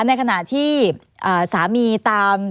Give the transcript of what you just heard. ในขณะที่สามีตาม